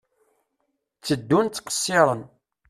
Tteddun ttqesiren.